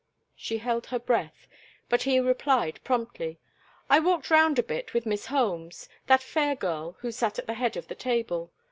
She held her breath, but he replied, promptly: "I walked round a bit with Miss Holmes—that fair girl who sat at the head of the table.